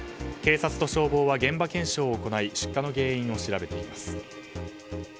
警察と消防は現場検証を行い出火の原因を調べています。